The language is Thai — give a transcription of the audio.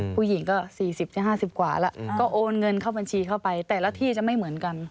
ผู้หญิงก็๔๐๕๐กว่าแล้วก็โอนเงินเข้าบัญชีเข้าไปแต่ละที่จะไม่เหมือนกัน